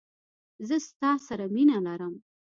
زه ستا سره مینه لرم.